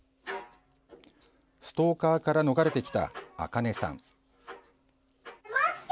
ストーカーから逃れてきたあかねさん。